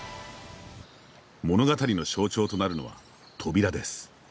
物語の象徴となるのは「扉」です。